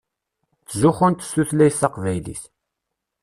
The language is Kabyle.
Ttzuxxunt s tutlayt taqbaylit.